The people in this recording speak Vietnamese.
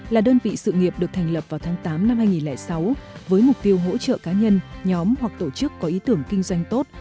là đơn vị sự nghiệp được thành lập vào tháng tám năm hai nghìn sáu với mục tiêu hỗ trợ cá nhân nhóm hoặc tổ chức có ý tưởng kinh doanh tốt